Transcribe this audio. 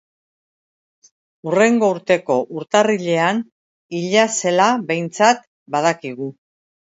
Hurrengo urteko urtarrilean hila zela behintzat badakigu.